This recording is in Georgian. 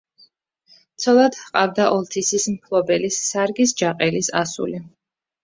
ცოლად ჰყავდა ოლთისის მფლობელის სარგის ჯაყელის ასული.